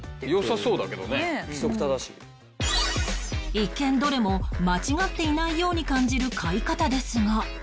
一見どれも間違っていないように感じる飼い方ですが